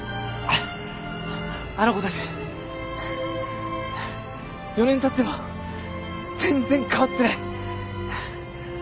あの子たち４年たっても全然変わってない。